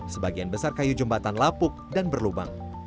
sebagian besar kayu jembatan lapuk ini tidak bisa dihubungi dengan jembatan lapuk ini